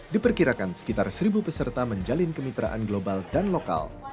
diperkirakan sekitar seribu peserta menjalin kemitraan global dan lokal